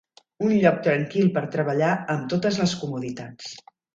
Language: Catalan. Un lloc tranquil per treballar amb totes les comoditats.